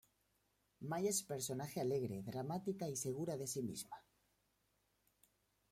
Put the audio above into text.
May es personaje alegre, dramática y segura de sí misma.